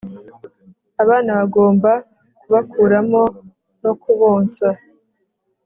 abana bagomba Kubakuramo no kubonsa